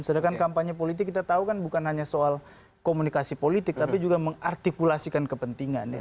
sedangkan kampanye politik kita tahu kan bukan hanya soal komunikasi politik tapi juga mengartikulasikan kepentingan ya